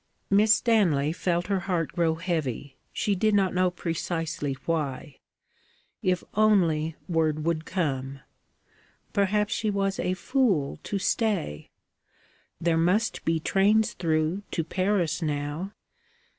Miss Stanley felt her heart grow heavy, she did not know precisely why. If only word would come! Perhaps she was a fool to stay. There must be trains through to Paris now.